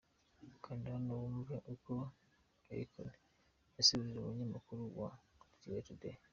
Kanda hano wumve uko Akon yasubije umunyamakuru wa Kigali Today.